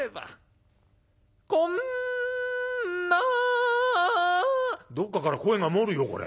こんな「どっかから声が漏るよこれ。